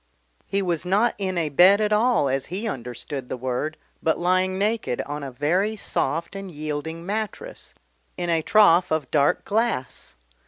He was not in a bed at all as he understood the word, but lying naked on a very soft and yielding mattress, in a trough of dark glass.